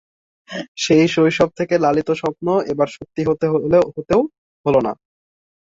সেই শৈশব থেকে লালিত স্বপ্ন এবার সত্যি হতে হতেও হলো না।